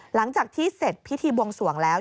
หลังจากที่เสร็จพิธีบวงสวงแล้ว